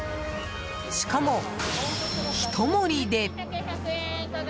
しかも、ひと盛りで。